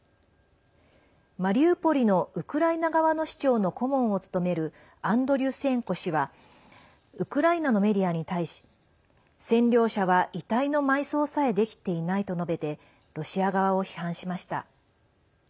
マリウポリのウクライナ側の市長の顧問を務めるアンドリュシェンコ氏はウクライナのメディアに対し占領者は遺体の埋葬さえできていないと述べてロシア側を批判しました。